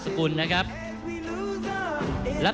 ท่านแรกครับจันทรุ่ม